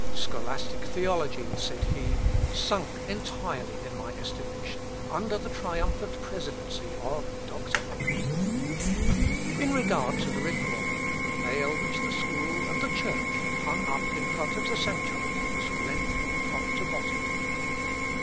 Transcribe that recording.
"Scholastic theology," said he, "sunk entirely in my estimation, under the triumphant presidency of Dr. Eck." In regard to the reformer, the veil which the School and the Church had hung up in front of the sanctuary was rent from top to bottom.